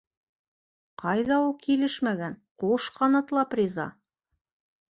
Ҡайҙа ул килешмәгән, ҡуш ҡанатлап риза!